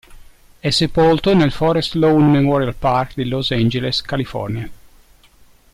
È sepolto nel Forest Lawn Memorial Park di Los Angeles, California.